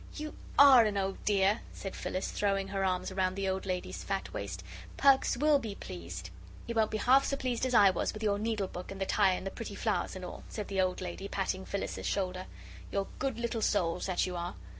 "You ARE an old dear," said Phyllis, throwing her arms around the old lady's fat waist. "Perks WILL be pleased." "He won't be half so pleased as I was with your needle book and the tie and the pretty flowers and all," said the old lady, patting Phyllis's shoulder. "You're good little souls, that you are.